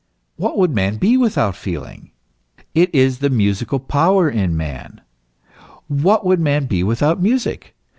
What would man be without feeling ? It is the musical power in man. But what would man be without music